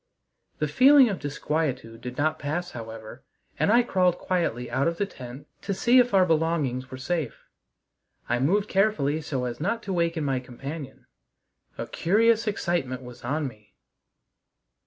The feeling of disquietude did not pass however, and I crawled quietly out of the tent to see if our belongings were safe. I moved carefully so as not to waken my companion. A curious excitement was on me.